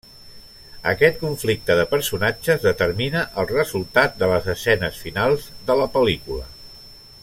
Aquest conflicte de personatges determina el resultat de les escenes finals de la pel·lícula.